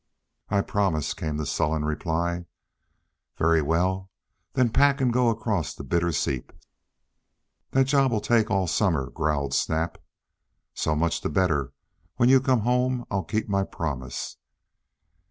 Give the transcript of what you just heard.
"I'll promise," came the sullen reply. "Very well. Then pack and go across to Bitter Seeps." "That job'll take all summer," growled Snap. "So much the better. When you come home I'll keep my promise."